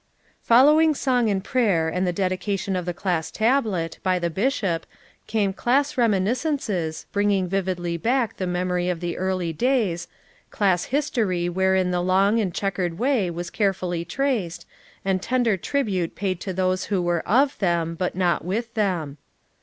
400 FOUR MOTHERS AT CHAUTAUQUA Following song and prayer and the dedica tion of the class tablet, by the Bishop, came class reminiscences, bringing vividly back the memory of the early days, class history where in the long and checkered way was carefully traced, and tender tribute paid to those who were of them, but not with them.